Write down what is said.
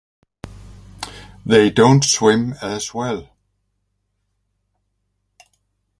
They don't swim as well.